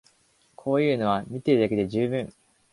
こういうのは見てるだけで充分